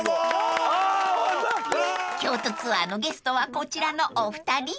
［京都ツアーのゲストはこちらのお二人］